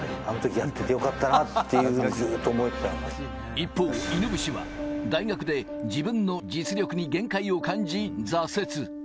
一方、犬伏は大学で自分の実力に限界を感じ、挫折。